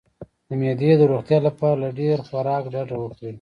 د معدې د روغتیا لپاره له ډیر خوراک ډډه وکړئ